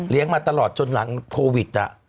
เลี้ยงมาตลอดจนหลังโพวิด